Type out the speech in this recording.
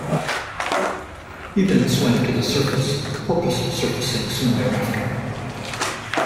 He then swam to the surface, "Porpoise" surfacing soon thereafter.